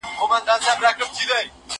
زه له سهاره د کتابتوننۍ سره مرسته کوم؟!